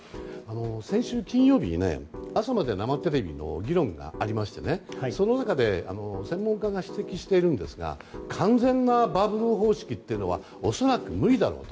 先週金曜日に「朝まで生テレビ！」の議論がありましてその中で専門家が指摘しているんですが完全なバブル方式というのは恐らく無理だろうと。